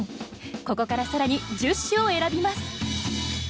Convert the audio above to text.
ここから更に１０首を選びます